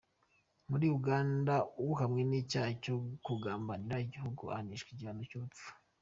Muri Uganda uhamwe n’icyaha cyo kugambanira igihugu ahanishwa igihano cy’urupfu.